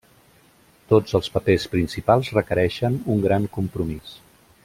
Tots els papers principals requereixen un gran compromís.